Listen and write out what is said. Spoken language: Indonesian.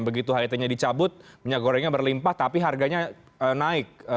begitu het nya dicabut minyak gorengnya berlimpah tapi harganya naik